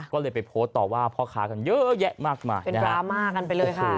ก็เลยไปโพสต์ต่อว่าพ่อค้ากันเยอะแยะมากมายเป็นดราม่ากันไปเลยค่ะ